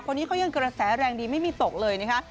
คนนี้เขายังกระแสแรงดีไม่มีตกเลยนะคะ